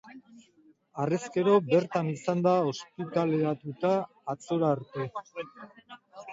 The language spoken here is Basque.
Harrezkero, bertan izan da ospitaleratuta, atzora arte.